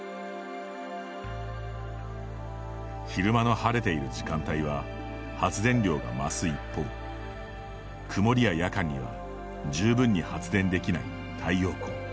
昼間の晴れている時間帯は発電量が増す一方曇りや夜間には十分に発電できない太陽光。